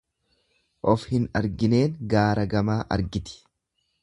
Of hin argineen gaara gamaa argiti.